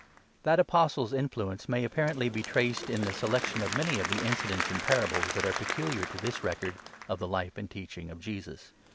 That apostle's influence may apparently be traced in the selection of many of the incidents and parables that are peculiar to this record of the Life and Teaching of Jesus.